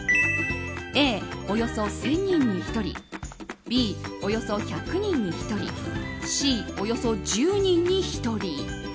Ａ、およそ１０００人に１人Ｂ、およそ１００人に１人Ｃ、およそ１０人に１人。